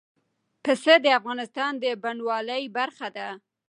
پسه د افغانستان د بڼوالۍ برخه ده.